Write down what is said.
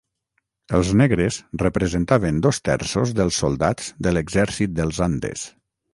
Els negres representaven dos terços dels soldats de l'exèrcit dels Andes.